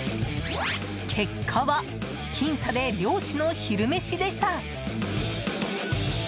結果は僅差で漁師の昼メシでした。